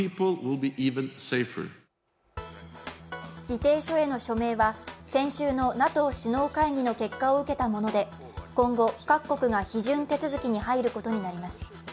議定書への署名は先週のＮＡＴＯ首脳会議の結果を受けたもので、今後、各国が批准手続きに入ることになります。